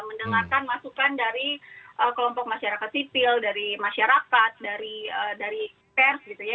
mendengarkan masukan dari kelompok masyarakat sipil dari masyarakat dari pers gitu ya